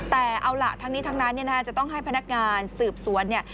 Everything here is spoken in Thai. แต่เอาล่ะทั้งนี้ทั้งนั้นจะต้องให้พนักงานสืบสวน